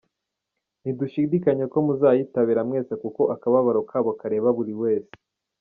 Ntidushidikanya ko muzayitabira mwese kuko akababaro kabo kareba buli wese.